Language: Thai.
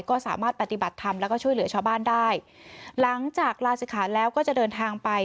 ก็สามารถปฏิบัติธรรมแล้วก็ช่วยเหลือชาวบ้านได้หลังจากลาศิกขาแล้วก็จะเดินทางไป